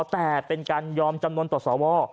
แต่เป็นการยอมจำนวนต่อสว